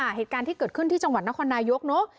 เหตุการณ์ที่เกิดขึ้นที่จังหวัดนครนายกเนอะ